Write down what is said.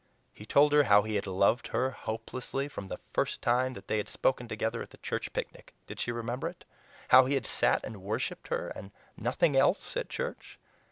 He told her how he had loved her hopelessly from the first time that they had spoken together at the church picnic. Did she remember it? How he had sat and worshiped her, and nothing else, at church!